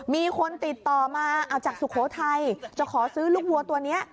มีคนติดต่อมาเอาจากสุโขทัยจะขอซื้อลูกวัวตัวนี้